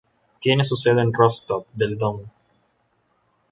Tiene su sede en Rostov del Don.